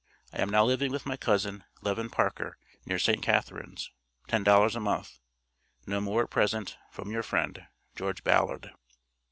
I am now living with my cousin Leven Parker, near Saint Catharines, $10 a month. No more at present, from your friend, GEORGE BALLARD.